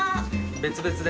別々で。